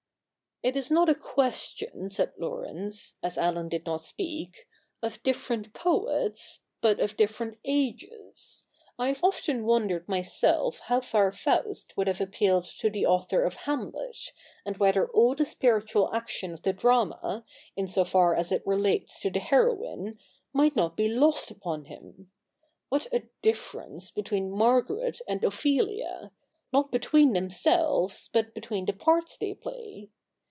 ' It is not a question,' said Laurence, as Allen did not speak, ' of different poets, but of different ages. I have often wondered myself how far Fausi would have appealed to the author of Hamlet^ and whether all the spiritual action of the drama, in so far as it relates to the heroine, might not be lost upon him. What a difference between Margaret and Ophelia — not between themselves, but between the parts they play